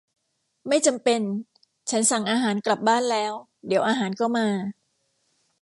ไม่จำเป็น ฉันสั่งอาหารกลับบ้านแล้ว เดี๋ยวอาหารก็มา